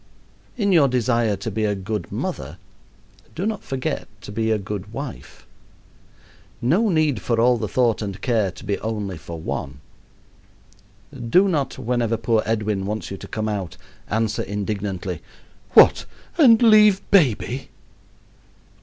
In your desire to be a good mother, do not forget to be a good wife. No need for all the thought and care to be only for one. Do not, whenever poor Edwin wants you to come out, answer indignantly, "What, and leave baby!"